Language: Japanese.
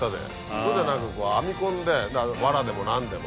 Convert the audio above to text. そうじゃなく編み込んでわらでも何でも。